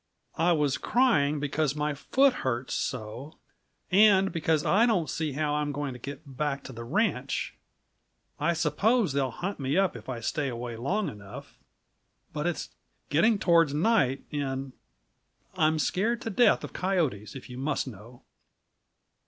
"I was crying because my foot hurts so and because I don't see how I'm going to get back to the ranch. I suppose they'll hunt me up if I stay away long enough but it's getting toward night, and I'm scared to death of coyotes, if you must know!"